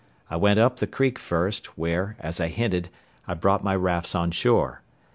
I went up the creek first, where, as I hinted, I brought my rafts on shore.